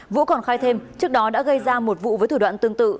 vũ còn khai thêm trước đó đã gây ra một vụ với thủ đoạn tương tự